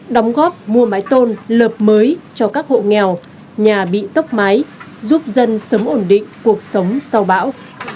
đóng góp mua máy tôn lợp mới cho các hộ nghèo nhà bị tốc mái giúp dân sớm ổn định cuộc sống sau bão